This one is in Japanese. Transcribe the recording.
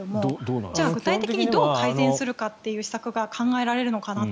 じゃあ、具体的にどう改善するかという施策が考えられるのかなと。